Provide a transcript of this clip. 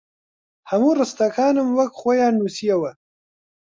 هەموو ڕستەکانم وەک خۆیان نووسییەوە